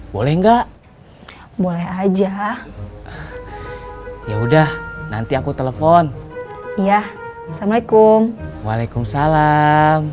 boleh enggak boleh aja ya udah nanti aku telepon ya assalamualaikum waalaikumsalam